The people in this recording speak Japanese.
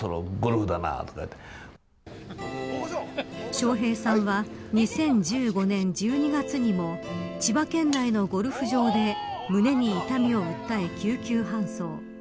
笑瓶さんは２０１５年１２月にも千葉県内のゴルフ場で胸に痛みを訴え、救急搬送。